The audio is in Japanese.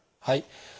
はい。